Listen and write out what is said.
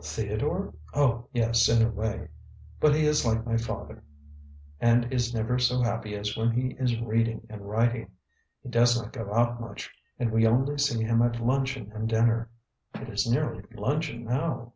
"Theodore? Oh, yes, in a way. But he is like my father, and is never so happy as when he is reading and writing. He does not go out much, and we only see him at luncheon and dinner. It is nearly luncheon now."